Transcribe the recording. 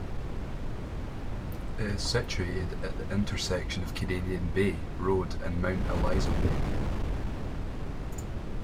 It is situated at the intersection of Canadian Bay Road and Mount Eliza Way.